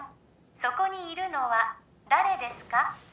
そこにいるのは誰ですか？